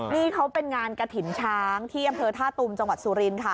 นี่เขาเป็นงานกระถิ่นช้างที่อำเภอท่าตุมจังหวัดสุรินค่ะ